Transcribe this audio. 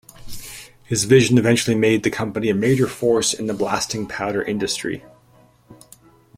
His vision eventually made the company a major force in the blasting powder industry.